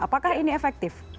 apakah ini efektif